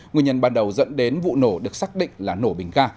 nguyên nhân ban đầu dẫn đến vụ nổ được xác định là nổ bình ga